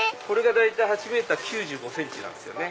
これが大体８ｍ９５ｃｍなんです。